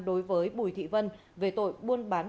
đối với bùi thị vân về tội buôn bán